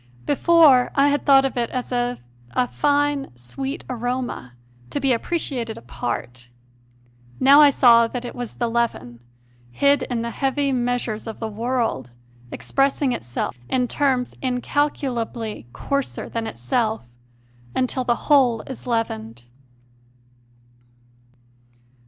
Before I had thought of it as of a fine, sweet aroma, to be appreciated apart; now I saw that it was the leaven, hid in the heavy meas ures of the world, expressing itself in terms incalcu lably coarser than itself, until the whole is leavened.